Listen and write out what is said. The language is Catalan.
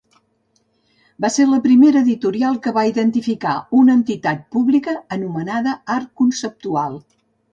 Va ser la primera editorial que va identificar una entitat pública anomenada Art conceptual.